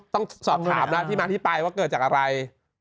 ต้องสอบถามแล้วที่มาที่ไปว่าเกิดจากอะไร